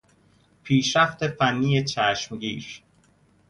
پیشرفت فنی چشمگیر